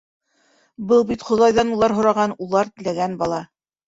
Был бит Хоҙайҙан улар һораған, улар теләгән бала!